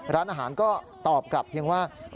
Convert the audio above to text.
ร้านอาหารก็ตอบกลับเพียงว่า